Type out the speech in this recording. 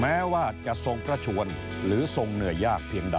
แม้ว่าจะทรงพระชวนหรือทรงเหนื่อยยากเพียงใด